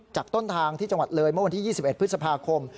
จากต้นทางที่จังหวัดเลยเมื่อวันที่๒๑พฤษภาคม